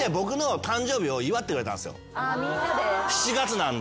７月なんで。